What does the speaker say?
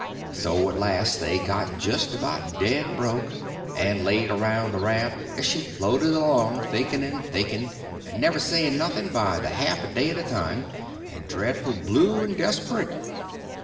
So at last they got just about dead broke, and laid around the raft as she floated along, thinking and thinking, and never saying nothing, by the half a day at a time, and dreadful blue and desperate.